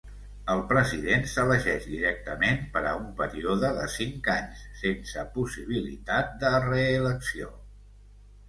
El president s"elegeix directament per a un període de cinc anys, sense possibilitat de reelecció.